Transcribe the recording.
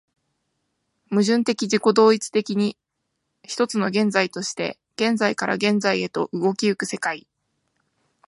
矛盾的自己同一的に、一つの現在として現在から現在へと動き行く世界